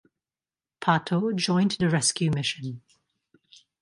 Pato joined the rescue mission.